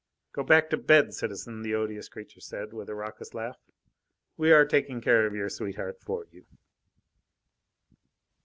"Go back to bed, citizen," the odious creature said, with a raucous laugh. "We are taking care of your sweetheart for you."